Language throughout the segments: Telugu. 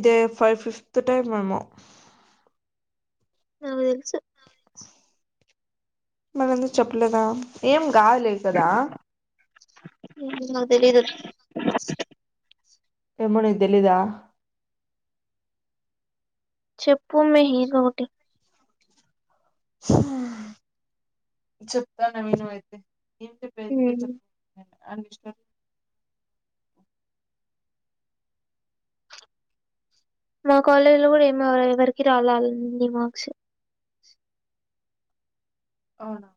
ఇదే ఫైవ్ ఫిఫ్త్ టైం ఏమో. నాకు తెల్సు. మళ్లీ ఎందుకు చెప్పలేదా ఏం కాదులే కదా. తెలిదు. ఇప్పుడు ఇది తెలీదా. చెప్పు మెహె గోటి. చెప్త నువ్వు విను అయితే. ఏం చెప్పే చాప్ ఆరిష్ట. మా కాలేజ్ లో కూడా ఏమ ఎవరికి రాలే అది హిందీ మార్క్స్. అవ్నా.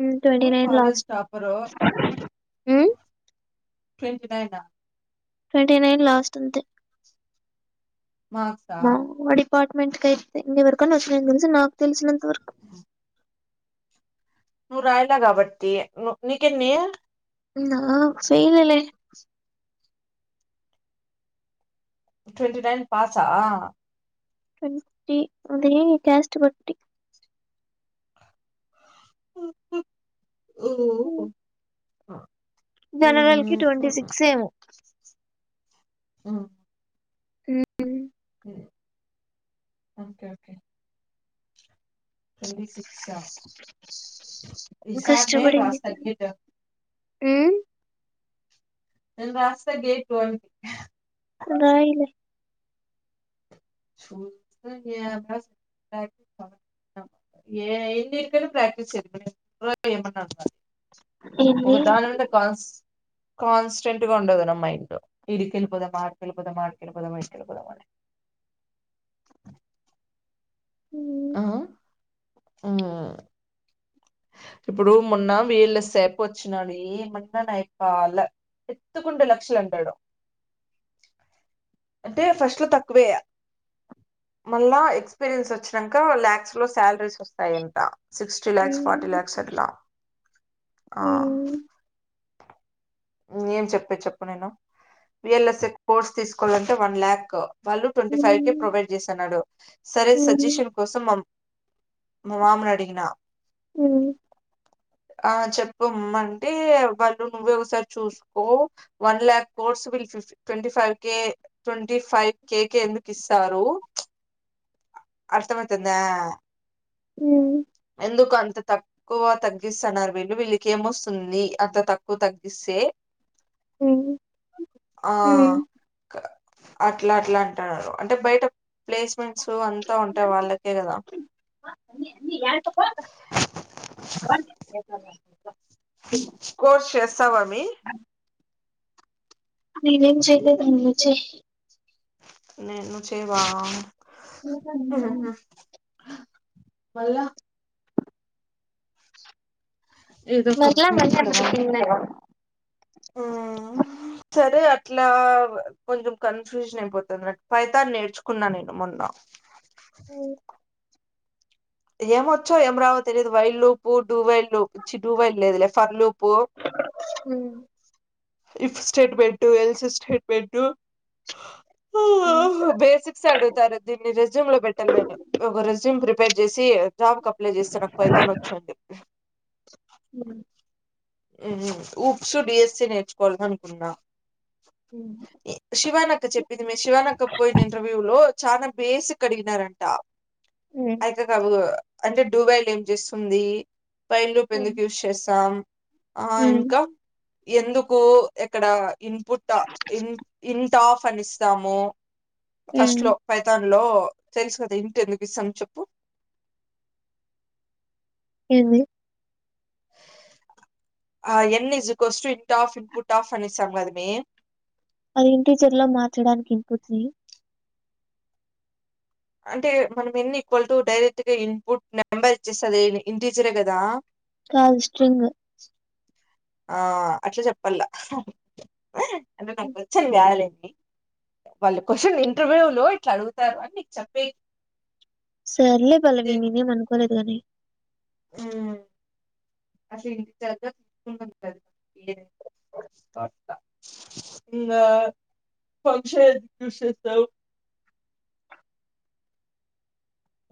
ఉమ్ ట్వంటి నైన్ లాస్ట్ ఉమ్. ట్వంటి నైనా. ట్వంటీ నైన్ లాస్ట్ అంతే. మాక్స్ ఆహ్. అపార్ట్మెంట్ కయితే ఇంకా ఎవరికన్నా ఒచ్చినాయి తెలిసి నాకు తెల్సినంత వరకు. ఆహ్ ఉమ్. నువ్ రాయల కాబట్టి నీకెన్నీ నేనా ఫెయిలె లే ట్వంటి నైన్ పాసా? ట్వంటి ఉంటది క్యాస్ట్ బట్టి ఆహ్. జనరల్ కి ట్వంటీ సిక్స్ ఏమో. ఉమ్. ఉమ్. Okay okay. ట్వంటి సిక్సా ఈసార్ నేన్ రాస్తా నీట్ మ్ నేన్ రాస్త గేట్ వన్ రాయిలె చూ [inaudible] ఏ ఏంది ఇక్కడ ప్రక్టీీస్ చేస్తున్న [unintelligible] ఏమన్న ఉందా ఒక దాని నుండి పాస్ కాన్స్ట్రంట్గ ఉండదు నా మైండ్ ఇడికెళ్లిపోదామా, ఆడికెళ్లిపోదామా, ఆడికేలిపోదామా, ఇడికెళ్లిపోదామ అని ఆ ఆ ఇప్పుడు మొన్న వీళ్ళ సేపొచ్చినాది ఏమన్న నైపాలే ఎత్తుకుంటే లక్షలంటడు. అంటే ఫస్ట్లో తక్కువే మళ్ళా ఎక్స్పీరియన్స్ వచ్చినంక ల్యాక్స్లో స్యాలరీస్ వొస్తయంట సిక్స్టీ ల్యాక్స్ స్ అట్లా ఆ ఏం చెప్పే చెప్పు నేను బిఎల్ఎస్ఎఫ్ కోర్స్ తీస్కోవాలంటే వన్ ల్యాక్ వాళ్ళు ట్వంటీ ఫైవ్ కే ప్రొవైడ్ జేస్తన్నడు సరే ఏంది సజెషన్ కోసం మ మా మామనడిగినా హ్ ఆ చెప్పు మంటే వాళ్ళు ముగ్గురు ఒకసారి చూస్కో వన్ లాక్ కోర్స్ విల్ ఫిఫ్ twenty five K twenty five కేకే ఎందుకిస్తారు అర్థమైతుందా హ్ ఎందుకు అంత తక్కోవ తగ్గిస్తన్నారు వీళ్ళు వీళ్ళకేమోస్తుంది అంత తక్కువ తగ్గిస్ తే ఉమ్, ఆ ఉమ్. అక్కడ అట్ల అట్ల అంటార్రు అంటే బైట ప్లేస్ మెంట్సు అంత ఉంటే వాళ్ళకే కదా [inaudible] కోర్స్ చేస్తావా అమీ నేనేం చేయలేను నువ్ చెయ్ నేన్ ను చేయవా మళ్ళ ఏదో మళ్ళ కంపెనీ మళ్ళ మళ్ళ ఏం [inaudible] ఆ సరే అట్లా కొంచం కన్ఫ్యూజన్ అయిపోతద్ నాక్ పైతాన్ నేర్చుకున్న నేను మొన్న అవు ఏమోచ్చో ఏం రావో తెలీదు వైలు పూట్ డువెలు చి డువెల్ లేదు లే for loop if statement else statement బేసిక్సే అడుగుతారు దీన్ని రెజ్యూమ్ లో పెట్టను నేను ఒక రెజ్యూమ్ ప్రి జేసి జాబ్ కప్లలే జేస్త నాకు పైతనొచ్చని చెప్పి ఉ ఉ ఊప్స్ డిఎస్సీ నేర్చుకోవాలనుకున్నా శివానక్క చెప్పింది మే శివానక్క పోయింది ఇంటర్వ్యూ లో చానా బేసిక్ అడిగినారంట అయితే [inaudible] అంటే డూబైల్ ఏం చేస్తుంది పైన్ రూప్ ఎందుకు యూస్ చేస్తాం ఆ ఇంక ఎందుకూ ఎక్కడ ఇన్పుట ఇన్ ఇన్ టాఫనిస్తాము ఫస్ట్లో పైతాన్ లో తెల్సు కదా ఇంట్ ఎందుకు సమ్ చెప్పు ఎంది అ ఎన్న్ ఇజికస్టు ఇన్ట్ ఆఫ్ ఇన్పుట్ ఆఫ్ అని ఇస్తాం గద మే అది ఇంటిజర్ల మార్చడానికి ఇన్పుట్ని అంటే మనం ఎన్న్ ఈక్వల్టు డైరెక్ట్ గా ఇన్పుట్ నెంబర్ ఇచ్చేస్తె అది ఇంటిజరే కదా కాద్ స్ట్రింగ్ ఆ అట్ల చెప్పల్లా అంటే నాకొచ్చని కాదులే వాళ్ళు కోశన్ని ఇంటర్వ్యూలో ఇట్ల అడ్గుతారు అని నీకు చెప్పే సర్లే పల్లవి నెనేం అన్కోలేద్ గని [inaudible] ఇంగ ఫంక్షన్ యూస్ చేస్తావ్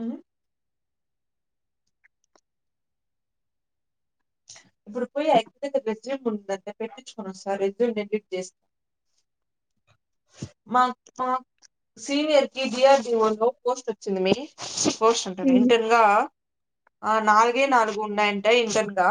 ఉ ఇప్పుడు పోయి ఆ యక్క రెస్యూమ్ ఉంటుంది నెన్ పెట్టిచుకొనొస్త రెస్యూమ్ ని ఎడిట్ చేస్ మ మా సీనియర్కి డి ఆర్ డి ఓ లో పోస్ట్ ఒచ్చింది మే పోస్ట్ అంటున్న ఉమ్ ఇంటెన్ గా అ నాలుగే నాలుగున్నాయంట ఇంటెన్ గా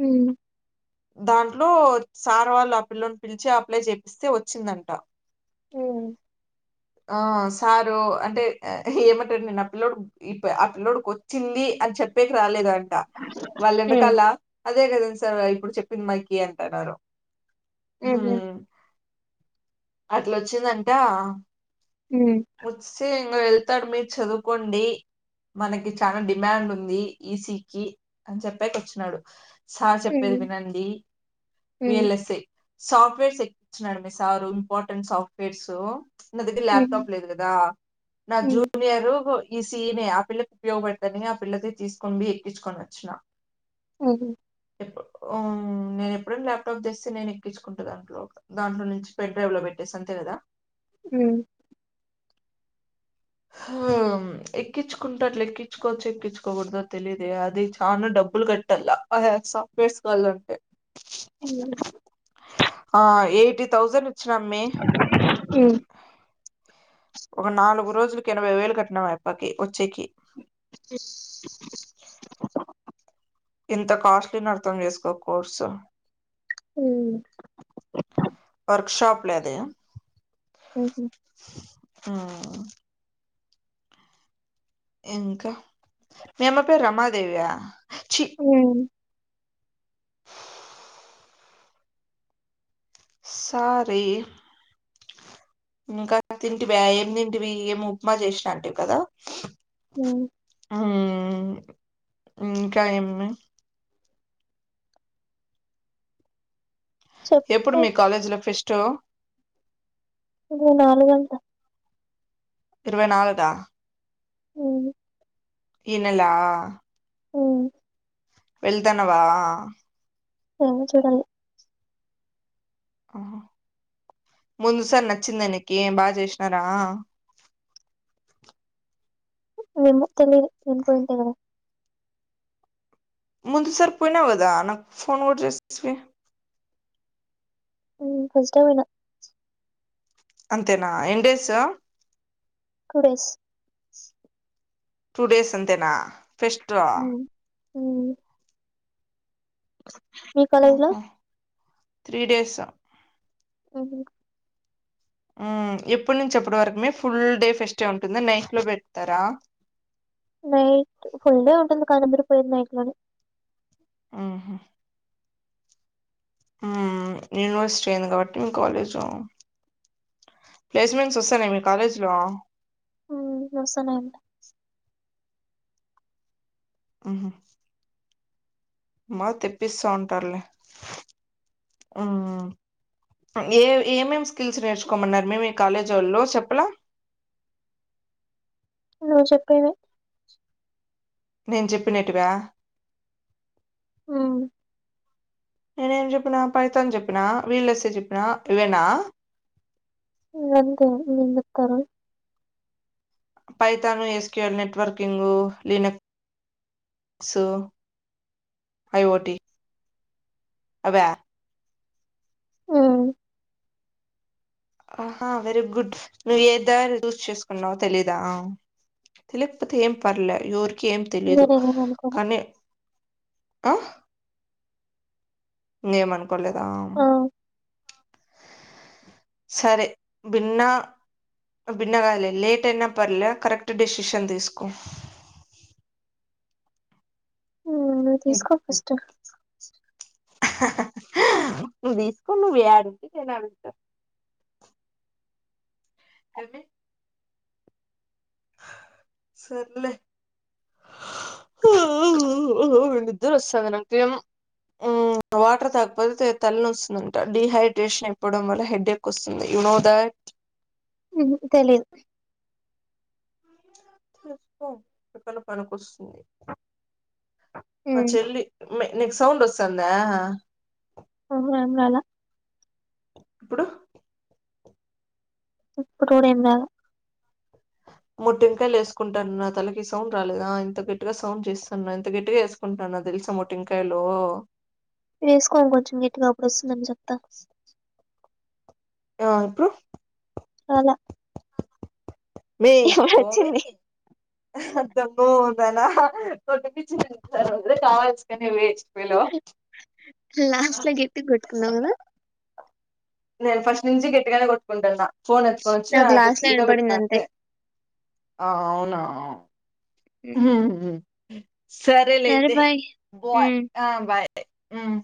ఊ దాంట్లో సార్ వాళ్ళు ఆ పిల్లోన్ పిల్చి అప్లై చేపిస్తే ఒచ్చిందంట ఉమ్, ఆ సారు అంటె ఏమంటర్ నేన్ ఆ పిల్లోడు ఇప్ పిల్లోడికి ఒచ్చింది అని చెప్పేక్ రాలేదాడ్ ట వాళ్ళ ఉమ్, ఎన్నకాల అదే కదండ్ సార్ ఇప్పుడు చెప్పింది మాకి అంటన్నారు హ్ము ఉమ్, అట్ల ఒచ్చిందంటా ఉమ్ చి ఇంగ వెళ్తడు మీర్ చదువుకోండి మనకి చానా డిమాండ్ ఉంది ఈసీకిి అన్ చెప్పాకి ఒచ్చినాడు సార్ చెప్పేది వినండి వి ఉమ్, ఎల్ ఎస్ ఐ సాఫ్ట్వేర్స్ ఎక్కిచినాడు మే సారు ఇంపార్టెంట్ సాఫ్ట్వేర్సు నా దగ్గర ఉమ్, ల్యాప్టాప్ లేదు గదా నా ఉమ్, ఉమ్, జూనియరు ఈ సీ యి నే ఆ పిల్లక్ ఉపయోగపడ్తని ఆ పిల్లదే తీస్కొనీ పోయి ఎక్కిచ్చుకొని వచ్చిన అది ఊ నేన్ ఎప్పుడైనా ల్యాప్టాప్ తెస్తే నేన్ ఎక్కిచ్చుకుంట దాంట్లో దాంట్లో నుంచి పెండ్రైవ్ లో పెట్టి ఎస్ అంతె గద ఉం హామ్ ఎక్కిచ్చుకుంటె అట్ల ఎక్కిచ్చుకోచ్చొ ఎక్కిచ్చుకోకూడ్దొ తెలీదె అది చాన డబ్ బ్బులు కట్టల్ల అలాంటి సాఫ్ట్వేర్స్ కావలంటే ఊ ఆ ఎయిటీ థౌజండ్ ఇచ్చినమ్మే ఉమ్. ఒక నాలుగు రోజులకి ఎనభై వేలు కట్నం అయప్పకి ఒచ్చేకి ఎస్ ఎంత కాస్ట్లీనో అర్థం చేస్కో కోర్సు ఊ వర్క్ షాప్ లేదయా. ఉహూ. ఆహ్. ఇంక మీ అమ్మ పేర్ రమాదేవియా చీ. హ్మ్. సారి. ఇంకా తింటివ ఏం తింటివి ఎమో ఉప్మా చేసినా అంటివి కదా ఉ మ్ ఇంకా ఏమి ఉన్నాయ్ ఎప్పుడు చెప్పు మీ కాలేజ్లో ఫెస్టు ఇర్వై నాలుగంటా. ఇరవై నాలుగా. అవ్ను. ఇన్నెలా. ఆహ్. వెళ్తున్నావా. ఏమో చూడలి. ముందు సారి నచ్చిందానీకి బాజేసినారా. ఎమో తెలియదు వేన్తుంటే కదా. ముందు సరి పోయినావు కదా నాకు ఫోన్ కూడా చేసేస్తివి. ఫస్టే ఓయినా. అంతేనా ఎన్ని డేసు. టూడేస్. టూ డేస్ అంతేనా ఫెస్టా. హ్మ్. హ్మ్. మీ కాలేజ్ల్. ఆహా త్రీ డేసా. ఉహ్. ఉమ్ ఎప్పటుంచి అప్పటి వరకుమే ఫుల్ డే ఫెస్టు ఉంటుందా నైట్లో పెడతారా. నైట్ ఫుల్ డే ఉంటుంది కానిబరి పోయేది నైట్లోనే. ఉమ్మ్. ఉమ్ యూనివర్సిటీది కాబట్టి మీ కాలేజ్లో. ప్లేస్మెంట్స్ ఓస్తాలే మీ కాలేజ్లో. ఉమ్ వస్తున్నాయంట. ఉమ్ ఉహ్. మాకు తెప్పిస్తా ఉంటారులే ఉమ్. ఏ ఏమేమి స్కిల్స్ నేర్చుకోమన్నారు మే మీ కాలేజ్ ఓల్లూ చెప్పలే. నువ్వు చెప్పేది. నేన్జెప్పినేటీవా. ఉమ్. నేనే ఏం జెప్పిన పైతాన్చెప్పిన వీళ్ళేస్ జెప్పినా ఇవేనా. ఇగ అంతే [unintelligible] పైతాను SKL networking Linux. So IoT అవా. ఉమ్. ఆహా వెరీ గుడ్ నువ్వు ఏ దారి చూస్ చేసుకున్నావో తెలీదా. తెలిపోతే ఏం పర్లే యోర్. కేం ఇంగ తెలీదు నేనేమి అనుకోను. కానీ ఆహ్. ఇంకా ఏం అనుకోలేదా. ఆ! సరే బిన్న. భిన్నగాదులే లేట్యినా పర్లే కరెక్ట్ డెషిషన్ తీస్కో. ఉహ్ నువ్వు తీసుకో ఫస్టు నువ్వు తీసుకో నువ్వు యాడుంటే నేనాడుంటా చుపియ్. సర్లే. నిద్ర ఓస్తాంది నాకేమో. ఉమ్ వాటర్ తాగ్పోతే తలనొస్తుందంట డిహైడ్రేషన్ అయిపోవడం వల్ల హెడ్ఎక్ ఒస్తుంది. యు నోదట్ మ్ హు తెలిద్ తెల్స్కొ ఏప్పుడైన పనికొస్తుంది మా హ్మ్. చెల్లి మే నిక్ సౌండ్ ఒస్తందా మ్ హు ఏం రాల ఇప్పుడు ఇప్పుడు కూడ ఎం రాలె మొటింకాయలేసుకుంటన్న నా తలకి సౌండ్ రాలేద ఇంత గట్టిగ సౌండ్ చేసున్న ఇంత గట్టిగ ఏసుకుంటన తెల్ ల్స్ మొటింకయలూ వేసుకొ ఇంకొంచెం గట్టిగ అప్పుడు ఒస్తుందెమో చెప్త ఆ ఇప్పుడు రాలా మై ఇప్పుడు పొవే వచ్చింది దొంగమొహందాన కొటిపిచ్చినవ్ [unintelligible] కావాల్సి నన్ని వెంచ్ లాస్ట్ ల గట్టిగ గొట్టుకున్నవ్ గద లే ఫస్ట్ నుంచి గట్టిగనే కొట్టుకుంటున్న పోన్ ఎత్తుకొనిఒచ్చి నాకు అది లాస్ట్ లో జిగ పెట్న వినపడింది అంతే అంతె అ అవునా హుమ్ సరేలె సరే అయితే బాయ్ బోయ్ ఉమ్ ఆ బాయ్ మ్